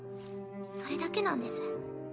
それだけなんです。